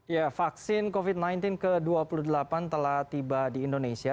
ya vaksin covid sembilan belas ke dua puluh delapan telah tiba di indonesia